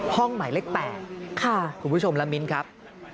ห้องหมายเล็ก๘ค่ะคุณผู้ชมละมินครับ